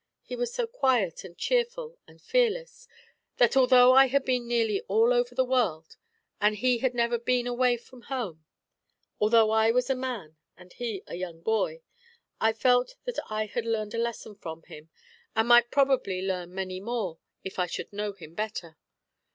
He was so quiet and cheerful and fearless, that although I had been nearly all over the world, and he had never been away from home, although I was a man and he a young boy, I felt that I had learned a lesson from him, and might probably learn many more if I should know him better.